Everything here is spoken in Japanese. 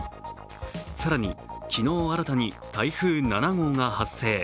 更に昨日新たに台風７号が発生。